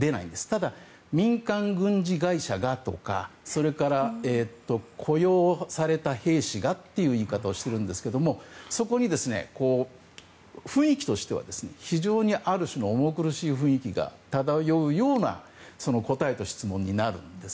ただ、民間軍事会社がとか雇用された兵士がという言い方をしているんですがそこに、雰囲気としては非常にある種の重苦しい雰囲気が漂うような答えと質問になるんです。